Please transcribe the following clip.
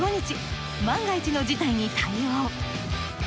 万が一の事態に対応。